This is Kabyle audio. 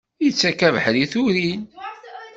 Yettak abeḥri i turin!